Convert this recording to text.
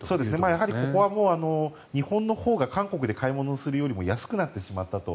やはりここは日本のほうが韓国で買い物をするよりも安くなってしまったと。